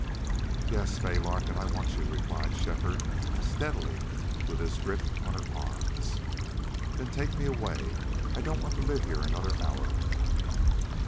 "Yes, Fay Larkin, I want you," replied Shefford, steadily, with his grip on her arms. "Then take me away. I don't want to live here another hour."